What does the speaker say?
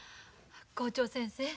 校長先生